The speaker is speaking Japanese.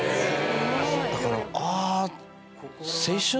だからあぁ。